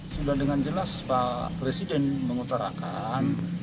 sudah dengan jelas pak presiden mengutarakan